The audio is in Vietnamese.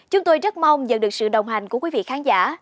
chúng tôi rất mong nhận được sự đồng hành của quý vị khán giả